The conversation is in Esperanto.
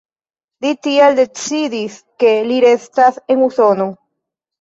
Li tiel decidis, ke li restas en Usono.